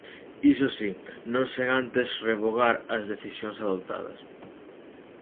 Iso si, non sen antes revogar as decisións adoptadas.